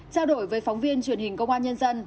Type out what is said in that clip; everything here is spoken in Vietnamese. trao đổi với phóng viên truyền hình công an nhân dân